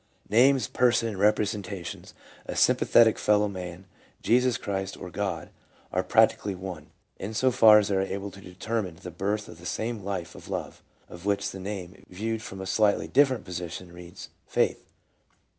Names, persons and representations ; a sympathetic fellow man, Jesus Christ, or God, are practically one, in so far as they are able to determine the birth of the same life of love, of which the name, viewed from a slightly different po sition, reads "Faith."